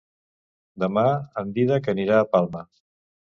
Demà en Dídac anirà a Palma.